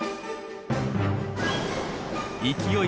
勢い